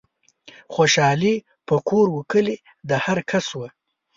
خوشحالي په کور و کلي د هرکس وه